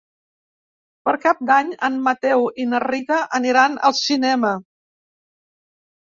Per Cap d'Any en Mateu i na Rita aniran al cinema.